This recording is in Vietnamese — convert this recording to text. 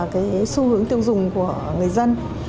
các xu hướng tiêu dùng của người dân